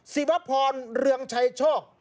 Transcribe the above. ศิวพรเรืองชัยโชค